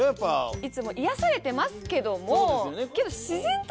いつも癒やされてますけども。